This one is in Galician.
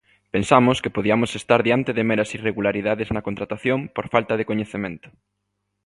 Pensamos que podiamos estar diante de meras irregularidades na contratación por falta de coñecemento.